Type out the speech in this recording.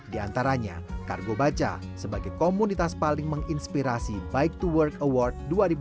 di antaranya kargo baca sebagai komunitas paling menginspirasi bike to work award dua ribu dua puluh